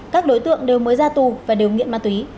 các đối tượng đều mới ra tù và đều nghiện ma túy